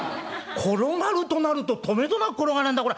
転がるとなるととめどなく転がるんだこれ。